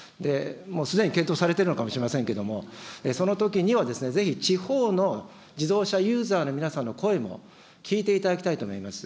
すでに検討されているのかもしれませんけれども、そのときには、ぜひ地方の自動車ユーザーの皆さんの声も聞いていただきたいと思います。